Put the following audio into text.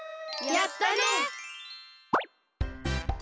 やったの！